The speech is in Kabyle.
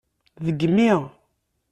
Degmi!